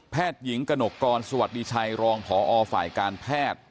หญิงกระหนกกรสวัสดีชัยรองพอฝ่ายการแพทย์